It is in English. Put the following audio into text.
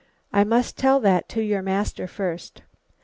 "I must tell that to your master first."